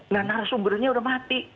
nah narasumbernya sudah mati